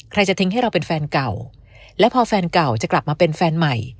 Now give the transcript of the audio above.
จะทิ้งให้เราเป็นแฟนเก่าและพอแฟนเก่าจะกลับมาเป็นแฟนใหม่